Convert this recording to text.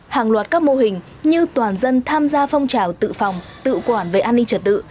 hàng loạt các mô hình như toàn dân tham gia phong trào tự phòng tự quản về an ninh trật tự